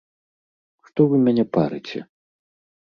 Што вы мяне парыце?